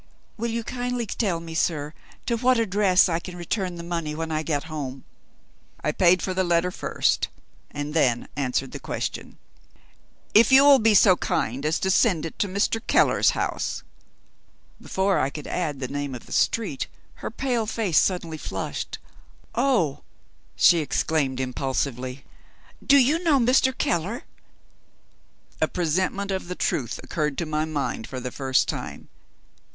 "Will you kindly tell me, sir, to what address I can return the money when I get home?" I paid for the letter first, and then answered the question. "If you will be so good as to send it to Mr. Keller's house " Before I could add the name of the street, her pale face suddenly flushed. "Oh!" she exclaimed impulsively, "do you know Mr. Keller?" A presentiment of the truth occurred to my mind for the first time.